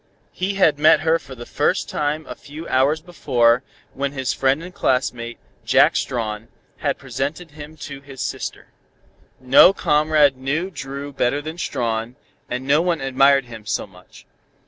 He had met her for the first time a few hours before, when his friend and classmate, Jack Strawn, had presented him to his sister. No comrade knew Dru better than Strawn, and no one admired him so much.